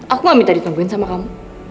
aku mau minta ditungguin sama kamu